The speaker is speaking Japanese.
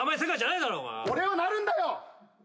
俺はなるんだよ！